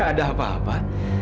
gak ada apa apa